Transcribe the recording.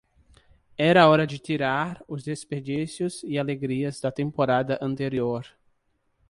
Era hora de tirar os desperdícios e alegrias da temporada anterior.